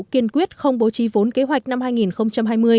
kiên quyết không bố trí vốn kế hoạch năm hai nghìn hai mươi